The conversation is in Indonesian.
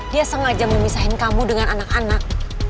dia sengaja memisahkan kamu dengan anak anak